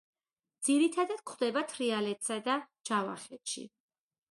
ძირითადად გვხვდება თრიალეთსა და ჯავახეთში.